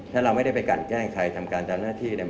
ถ้าเราไม่ได้ไปกันแกล้งใครทำการตามหน้าที่เนี่ย